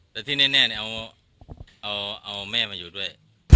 แต่ที่แน่เอาแม่มาอยู่ด้วย